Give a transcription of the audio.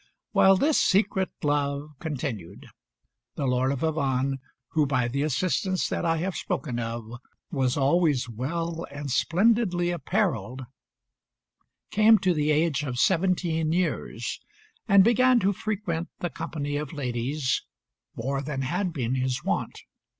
While this secret love continued, the Lord of Avannes, who, by the assistance that I have spoken of, was always well and splendidly apparelled, came to the age of seventeen years, and began to frequent the company of ladies more than had been his wont.